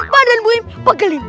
badan boim pegelin